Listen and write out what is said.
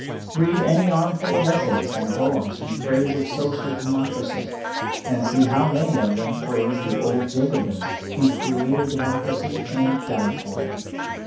Read any armful of essays and poems in praise of social democracy, and see how many of them praise the old Jacobins who created democracy and died for it.